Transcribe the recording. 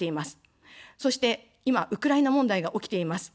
そして、今、ウクライナ問題が起きています。